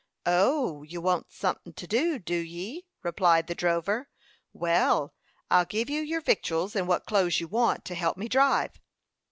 "O, you want sunthin to do do ye?" replied the drover. "Well, I'll give you your victuals, and what clothes you want, to help me drive."